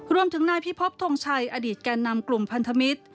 รวมถึงนายพิพบทงชัยอดีตแก่นำกลุ่มพันธมิตร